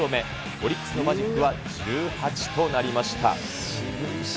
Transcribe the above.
オリックスのマジックは１８となりました。